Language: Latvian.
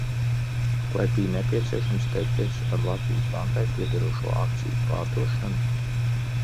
Vai bija nepieciešams steigties ar Latvijas Bankai piederošo akciju pārdošanu?